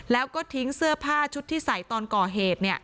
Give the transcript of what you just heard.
แล้วก็ทิ้งเสื้อผ้าชุดที่ใส่ตอนก่อเหตุ